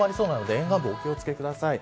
沿岸部、お気を付けください。